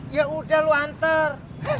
ya udah lu hantar